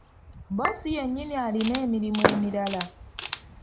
Bboosi yennyini alina emirimu emirala.